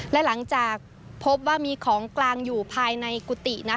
และหลังจากพบว่ามีของกลางอยู่ภายในกุฏิ